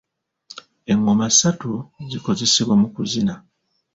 Engoma ssatu zikozesebwa mu kuzina .